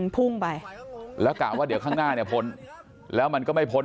พุ่งไปแล้วกะว่าเดี๋ยวข้างหน้าเนี่ยพ้นแล้วมันก็ไม่พ้น